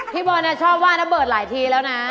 พี่บอลชอบว่าน้าเบิร์ตหลายทีแล้วนะ